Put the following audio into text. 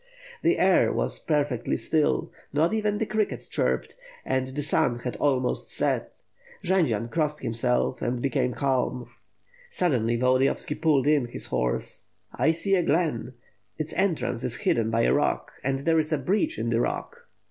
The air was perfectly still, not even the crickets chirped, and the sun had almost set. Jendzian crossed himself and became calm. Suddenly Volodiyovski pulled in his horse. "I see the glen. Its entrance is hidden by a rock and there is a breach in the rock.'